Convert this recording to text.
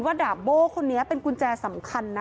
ดาบโบ้คนนี้เป็นกุญแจสำคัญนะ